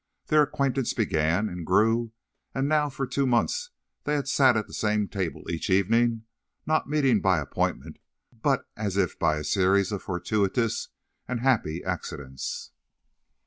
Their acquaintance began, and grew, and now for two months they had sat at the same table each evening, not meeting by appointment, but as if by a series of fortuitous and happy accidents.